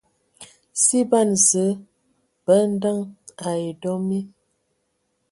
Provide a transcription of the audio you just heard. Si ban Zǝə bə andəŋ ai dɔ mi.